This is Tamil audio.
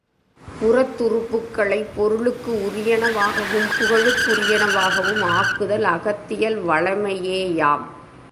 புறத்துறுப்புக்களைப் பொருளுக்கு உரியனவாகவும் புகழுக்குறியனவாகவும் ஆக்குதல் அகத்தியல் வளமையேயாம்.